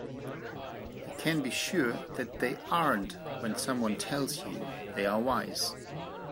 You can be sure that they aren't when someone tells you they are wise.